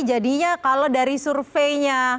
jadinya kalau dari surveinya